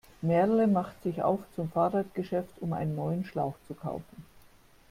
Merle macht sich auf zum Fahrradgeschäft, um einen neuen Schlauch zu kaufen.